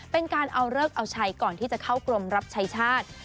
เป็นการเอาเลิกเอาใช้ก่อนที่จะเข้ากรมรับใช้ชาติ